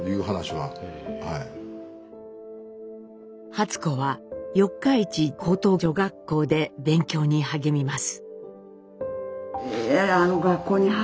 初子は四日市高等女学校で勉強に励みます。